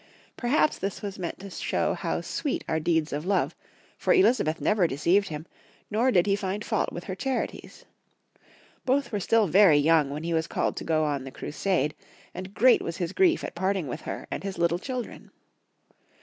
Perhaps this was meant to show how sweet are deeds of love, for Elizabeth never deceived him, nor did he find fault with her charities. Both were stUl very voung when he was called to go on the crusade 166 Yowng Folk^ History of Q ermany. and great was his grief at parting with her and his little children.